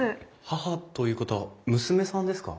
母ということは娘さんですか？